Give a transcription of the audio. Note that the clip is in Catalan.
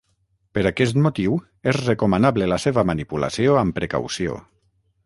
Per aquest motiu és recomanable la seva manipulació amb precaució.